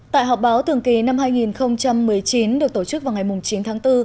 tại họp báo thường kỳ năm hai nghìn một mươi chín được tổ chức vào ngày chín tháng bốn